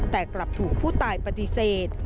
แต่กลับถูกผู้ตายปฏิเสธ